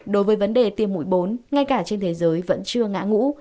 đối với vấn đề tiêm mũi bốn ngay cả trên thế giới vẫn chưa ngã ngũ